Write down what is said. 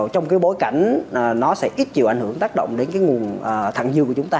trong cái bối cảnh nó sẽ ít chịu ảnh hưởng tác động đến cái nguồn thẳng dư của chúng ta